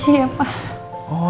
seneng aku tuh